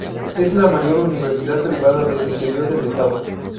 Es la mayor universidad privada del interior del estado.